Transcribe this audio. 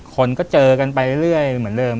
คนก็เจอกันไปเรื่อยเหมือนเดิม